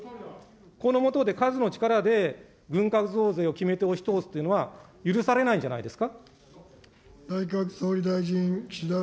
この下で、数の力で軍拡増税を決めて押し通すというのは許されないんじゃないんですか。